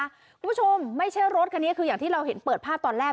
คุณผู้ชมไม่ใช่รถคันนี้คืออย่างที่เราเห็นเปิดภาพตอนแรก